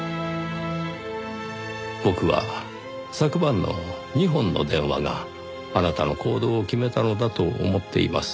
僕は昨晩の２本の電話があなたの行動を決めたのだと思っています。